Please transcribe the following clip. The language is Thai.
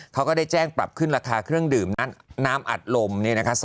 ก็ได้แจ้งปรับขึ้นราคาเครื่องดื่มน้ำอัดลมเนี่ยนะคะ